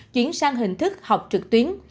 chuyển sang hình thức học trực tuyến